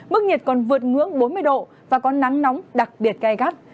mức nhiệt còn vượt ngưỡng bốn mươi độ và có nắng nóng đặc biệt gai gắt